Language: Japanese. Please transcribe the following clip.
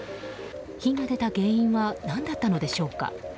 火が出た原因は何だったのでしょうか。